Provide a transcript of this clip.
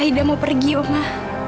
aida mau pergi oma